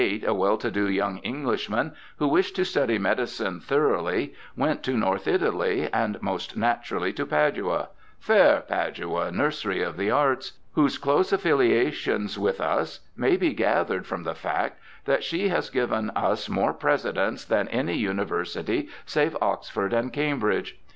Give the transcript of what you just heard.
In 1598 a well to do young Englishman who wished to study medicine thoroughly went to North Italy, and most naturally to Padua —* fair Padua, nursery of the arts '— whose close affiliations with us may be gathered from the fact that she has given us more Presidents than any university save Oxford and Cambridge.